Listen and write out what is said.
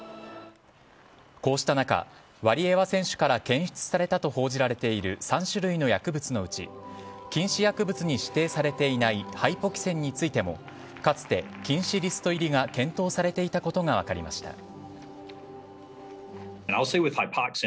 こうした中ワリエワ選手から検出されたと報じられている３種類の薬物のうち禁止薬物に指定されていないハイポキセンについてもかつて禁止リスト入りが検討されていたことが分かりました。